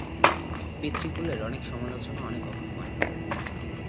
পিতৃকুলের অনেক সমালোচনা, অনেক অপমান!